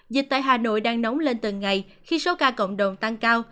dịch tại hà nội đang nóng lên từng ngày khi số ca cộng đồng tăng cao